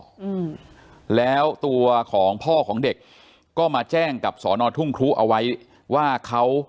อืมแล้วตัวของพ่อของเด็กก็มาแจ้งกับสอนอทุ่งครูเอาไว้ว่าเขา